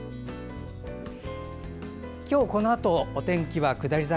今日、このあとお天気は下り坂。